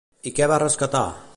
I què va rescatar?